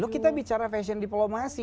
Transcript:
kita bicara fashion diplomasi